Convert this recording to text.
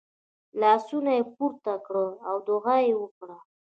لاسونه یې پورته کړه او دعا یې وکړه .